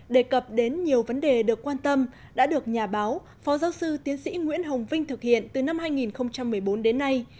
đề cập đến nhiều vấn đề được quan tâm đã được nhà báo phó giáo sư tiến sĩ nguyễn hồng vinh thực hiện từ năm hai nghìn một mươi bốn đến nay